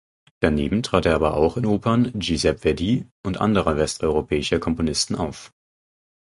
Daneben trat er aber auch in Opern Giuseppe Verdis und anderer westeuropäischer Komponisten auf.